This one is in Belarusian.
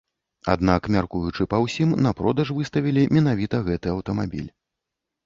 Аднак, мяркуючы па ўсім, на продаж выставілі менавіта гэты аўтамабіль.